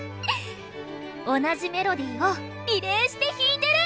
同じメロディーをリレーして弾いてる！